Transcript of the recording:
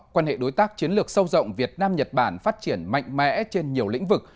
quan hệ đối tác chiến lược sâu rộng việt nam nhật bản phát triển mạnh mẽ trên nhiều lĩnh vực